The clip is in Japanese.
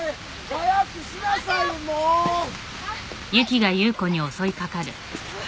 早くしなさい！もうー！